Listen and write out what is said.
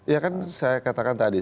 ya kan saya katakan tadi